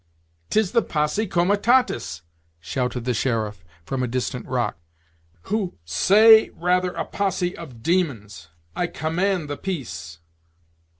"'Tis the posse comitatus," shouted the sheriff, from a distant rock, "who " "Say rather a posse of demons. I command the peace."